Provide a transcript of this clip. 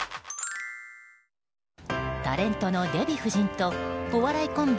タレントのデヴィ夫人とお笑いコンビ